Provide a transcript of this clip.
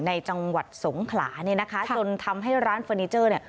ในจังหวัดสงขลาจนทำให้ร้านเฟอร์เนเจอร์